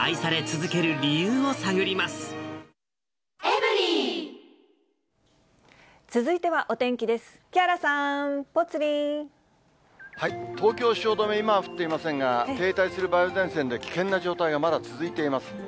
東京・汐留、今は降っていませんが、停滞する梅雨前線で、危険な状態がまだ続いています。